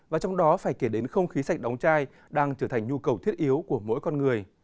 và trong đó phải kể đến không khí sạch đóng chai đang trở thành nhu cầu thiết yếu của mỗi con người